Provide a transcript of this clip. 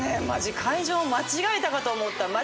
マジ会場間違えたかと思った。